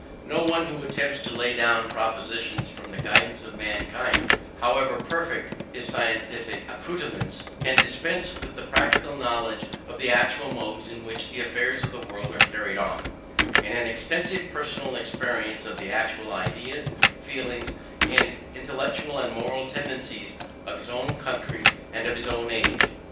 No one who attempts to lay down propositions for the guidance of mankind, however perfect his scientific acquirements, can dispense with a practical knowledge of the actual modes in which the affairs of the world are carried on, and an extensive personal experience of the actual ideas, feelings, and intellectual and moral tendencies of his own country and of his own age.